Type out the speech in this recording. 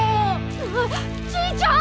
ああじいちゃん！